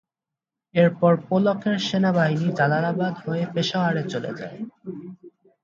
এরপর পোলকের সেনাবাহিনী জালালাবাদ হয়ে পেশোয়ারে চলে যায়।